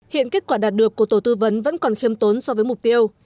hiện kết quả đạt được của tổ tư vấn vẫn còn khiêm tốn so với mục tiêu